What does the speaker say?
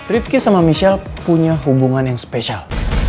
rivki sama michelle punya hubungan yang spesial